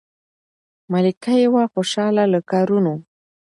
ملکه یې وه خوشاله له کارونو